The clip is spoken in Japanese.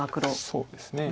そうですね。